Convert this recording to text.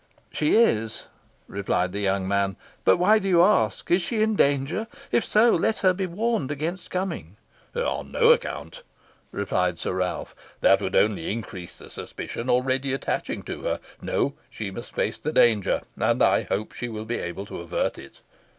"She is," replied the young man; "but why do you ask? Is she in danger? If so, let her be warned against coming." "On no account," replied Sir Ralph; "that would only increase the suspicion already attaching to her. No; she must face the danger, and I hope will be able to avert it."